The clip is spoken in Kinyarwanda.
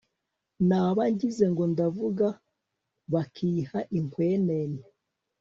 naba ngize ngo ndavuga, bakiha inkwenene